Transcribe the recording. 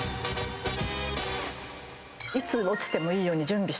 いつ落ちてもいいように準備。